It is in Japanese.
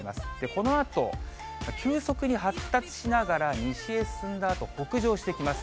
このあと、急速に発達しながら、西へ進んだあと、北上してきます。